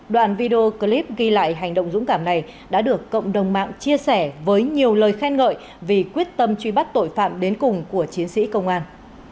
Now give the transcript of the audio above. đoạn video clip ghi lại hành động dũng cảm này đã được cộng đồng mạng chia sẻ với nhiều lời khen ngợi vì quyết tâm truy bắt tội phạm đến cùng của chiến sĩ công an